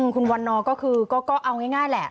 คุณวันนอร์ก็คือก็เอาง่ายแหละ